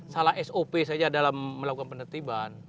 salah sop saja dalam melakukan penertiban